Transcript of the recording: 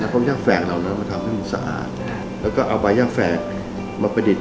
แล้วก็ย่าแฝกเรานะมาทำให้มันสะอาดแล้วก็เอาใบย่าแฝกมาประดิษฐ์